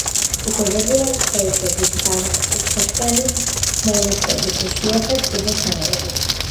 იკვებებიან თევზით, თავფეხიანი მოლუსკებით, იშვიათად კიბოსნაირებით.